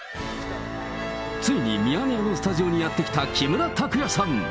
ついにミヤネ屋のスタジオにやって来た木村拓哉さん。